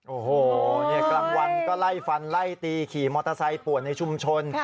โอ้โหกลางวันก็ไล่ฟันไล่ตีขี่มอเตอร์ไซค์ป่วนในชุมชน